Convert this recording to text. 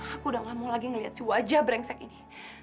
aku udah gak mau lagi ngelihat si wajah brengsek ini